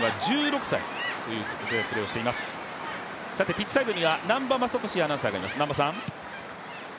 ピッチサイドには南波雅俊アナウンサーがいます。